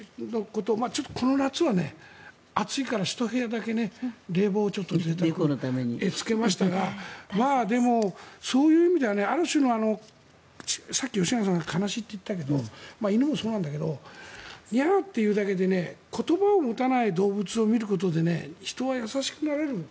この夏は暑いからひと部屋だけ冷房をちょっとつけましたがでも、そういう意味ではある種のさっき吉永さんが悲しいって言ったけど犬もそうなんだけどニャーと言うだけで言葉を持たない動物を見ることで人は優しくなれる。